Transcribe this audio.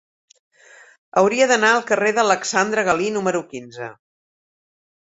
Hauria d'anar al carrer d'Alexandre Galí número quinze.